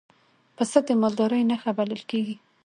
پسه د مالدارۍ نښه بلل کېږي.